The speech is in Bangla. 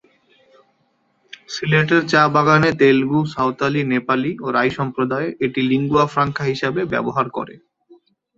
সিলেটের চা-বাগানে তেলুগু, সাঁওতালি, নেপালি ও রাই সম্প্রদায় এটি লিঙ্গুয়া ফ্রাঙ্কা হিসেবে ব্যবহার করে।